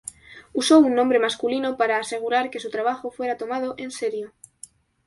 Usó un nombre masculino para asegurar que su trabajo fuera tomado en serio.